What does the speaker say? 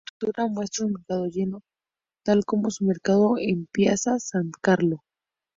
Esta pintura muestra un mercado lleno, tal como su "Mercado en Piazza San Carlo"